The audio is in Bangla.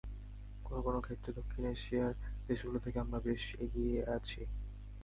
কোনো কোনো ক্ষেত্রে দক্ষিণ এশিয়ার দেশগুলো থেকে আমরা বেশি এগিয়ে আছি।